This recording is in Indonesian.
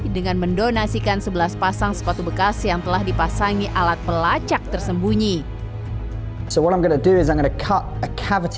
dengan mendonasikan sebelas pasang sepatu bekas yang telah dipasangi alat pelacak tersembunyi